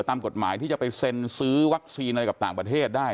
ตามกฎหมายที่จะไปเซ็นซื้อวัคซีนอะไรกับต่างประเทศได้